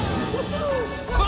・うわ！